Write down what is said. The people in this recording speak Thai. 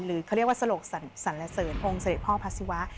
เขาเรียกว่าสลกสรรเสริญองค์เสด็จพ่อพระศิวะ